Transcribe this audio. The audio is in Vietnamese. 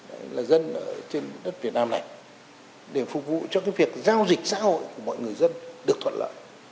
đấy là dân ở trên đất việt nam này để phục vụ cho cái việc giao dịch xã hội của mọi người dân được thuận lợi